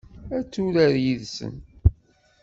Ad turar yid-sen?